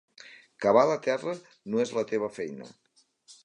Cavar la terra no és la teva feina.